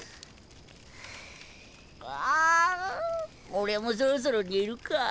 俺もそろそろ寝るか。